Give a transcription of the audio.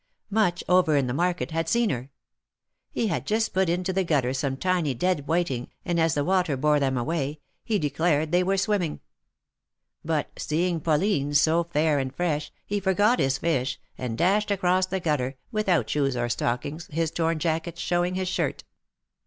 Much, over in the market, had seen her. He had just 230 THE MARKETS OF PARIS. put into the gutter some tiny dead whiting, and as the water bore them away, he declared they were swimming. But seeing Pauline so fair and fresh, he forgot his fish, and dashed across the gutter, without shoes or stockings, his torn jacket showing his shirt.